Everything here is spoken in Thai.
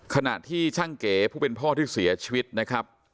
ขณะที่ช่างเก๋ผู้เป็นพ่อที่เสียชีวิตนะครับ